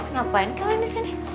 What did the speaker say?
ngapain kalian disini